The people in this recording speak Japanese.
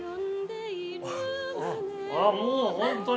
◆もう本当に。